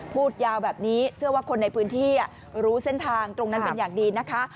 พูดยาวแบบนี้เชื่อว่าคนในพื้นที่รู้เส้นทางตรงนั้นเป็นอย่างดีนะคะ